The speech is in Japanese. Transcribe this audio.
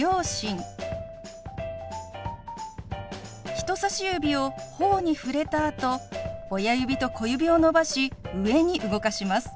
人さし指をほおに触れたあと親指と小指を伸ばし上に動かします。